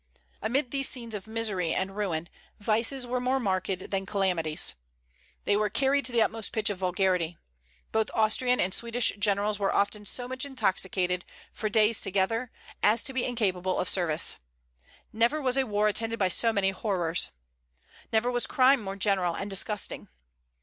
Amid these scenes of misery and ruin, vices were more marked than calamities. They were carried to the utmost pitch of vulgarity. Both Austrian and Swedish generals were often so much intoxicated, for days together, as to be incapable of service. Never was a war attended by so many horrors. Never was crime more general and disgusting.